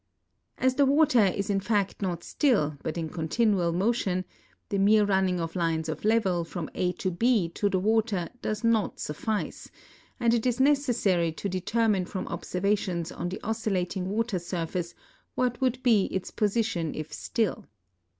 As the water is in fact not still, but in continual motion, the mere running of lines of level from A and B to the water does not suffice, and it is necessary to determine from observations on the oscillating water surface what would be its position if still.